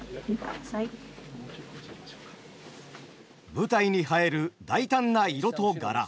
舞台に映える大胆な色と柄。